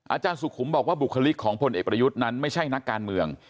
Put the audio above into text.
อาจารย์สุขุมบอกว่าบุคลิกของพลเอกประยุทธ์นั้นไม่ใช่นักการเมือง